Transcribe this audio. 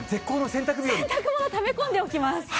洗濯物ため込んでおきます。